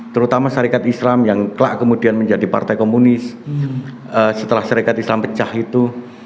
terutama syarikat islam yang kelak kemudian menjadi partai komunis setelah syarikat islam pecah itu